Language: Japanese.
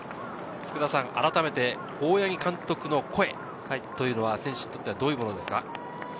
改めて、大八木監督の声というのは選手にとってどういうものですか？